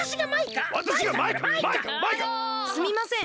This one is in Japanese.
すみません